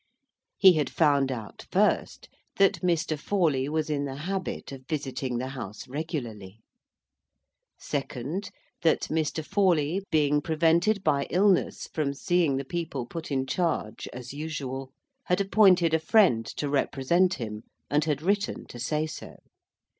He had found out, first, that Mr. Forley was in the habit of visiting the house regularly. Second, that Mr. Forley being prevented by illness from seeing the people put in charge as usual, had appointed a friend to represent him; and had written to say so.